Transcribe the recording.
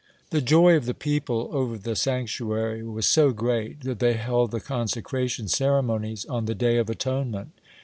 (64) The joy of the people over the sanctuary was so great that they held the consecration ceremonies on the Day of Atonement.